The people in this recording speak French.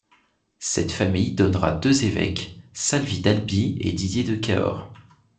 Cette famille donnera deux évêques, Salvi d'Albi et Didier de Cahors.